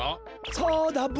そうだブ。